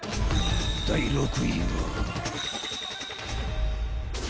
［第６位は］